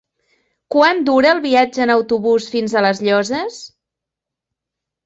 Quant dura el viatge en autobús fins a les Llosses?